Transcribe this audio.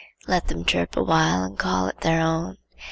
Let them chirp awhile and call it their own.